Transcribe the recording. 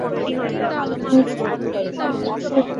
তোমরা ধনোপার্জনের জন্য সমগ্র শক্তি নিয়োগ কর।